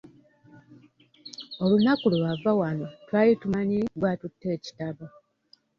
Olunaku lwe wava wano twali tumanyi gwe atutte ekitabo.